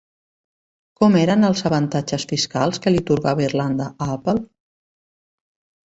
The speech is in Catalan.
Com eren els avantatges fiscals que li atorgava Irlanda a Apple?